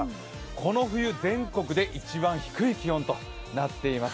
この冬、全国で一番低い気温となっています。